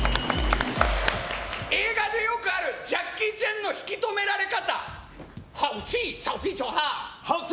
映画でよくあるジャッキー・チェンの引き止められ方。